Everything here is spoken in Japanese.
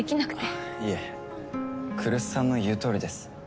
あっいえ来栖さんの言うとおりです。